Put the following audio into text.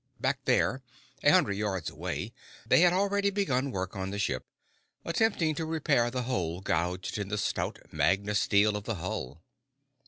Back there, a hundreds yards away, they had already begun work on the ship, attempting to repair the hole gouged in the stout magna steel of the hull.